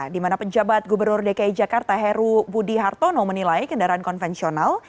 di mana penjabat gubernur dki jakarta heru budi hartono menilai kendaraan konvensional